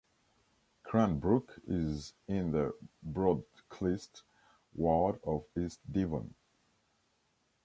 Cranbrook is in the Broadclyst ward of East Devon.